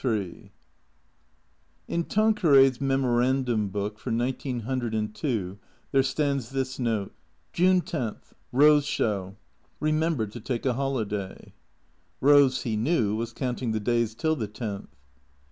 Ill IN Tanqueray's memorandum book for nineteen hundred and two there stands this note :" June 10th, Kose Show. Ke member to take a holiday." Eose, he knew, was counting the days till the tenth.